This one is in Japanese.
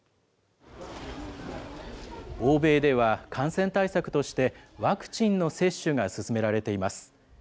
欧米では感染対策として、ワクチンの接種が進められています。